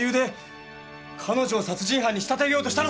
彼女を殺人犯に仕立て上げようとしたのか！